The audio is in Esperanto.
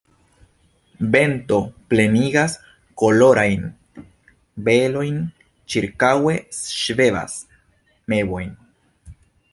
Vento plenigas kolorajn velojn, ĉirkaŭe ŝvebas mevoj.